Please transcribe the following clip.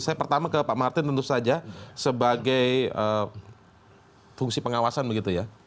saya pertama ke pak martin tentu saja sebagai fungsi pengawasan begitu ya